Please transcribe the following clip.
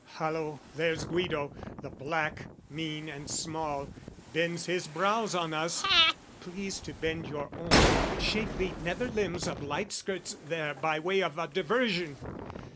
"Hallo, there's Guido, the black, mean, and small, "Bends his brows on us please to bend your own "On the shapely nether limbs of Light skirts there "By way of a diversion!